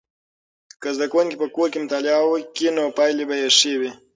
که زده کوونکي په کور کې مطالعه وکړي نو پایلې به یې ښې وي.